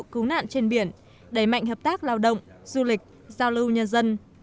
cứu nạn trên biển đẩy mạnh hợp tác lao động du lịch giao lưu nhân dân